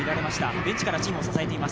ベンチからチームを支えています。